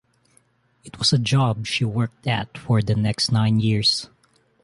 It was a job she worked at for the next nine years.